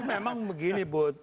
tapi memang begini bud